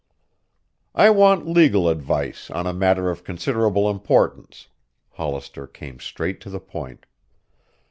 "I want legal advice on a matter of considerable importance," Hollister came straight to the point.